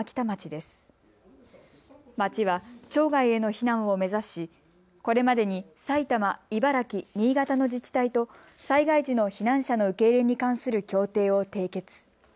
町は町外への避難を目指しこれまでに埼玉、茨城、新潟の自治体と災害時の避難者の受け入れに関する協定を締結。